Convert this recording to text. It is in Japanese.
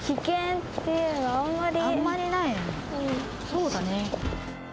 そうだね。